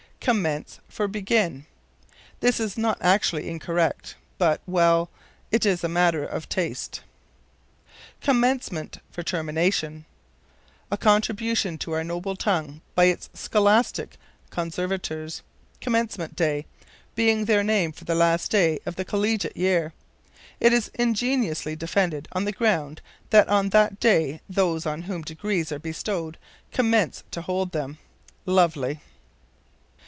Commence for Begin. This is not actually incorrect, but well, it is a matter of taste. Commencement for Termination. A contribution to our noble tongue by its scholastic conservators, "commencement day" being their name for the last day of the collegiate year. It is ingeniously defended on the ground that on that day those on whom degrees are bestowed commence to hold them. Lovely!